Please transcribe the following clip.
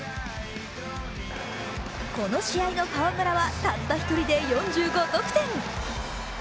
この試合の河村はたった一人で４５得点。